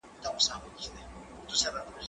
زه اوس د ښوونځی لپاره تياری کوم!!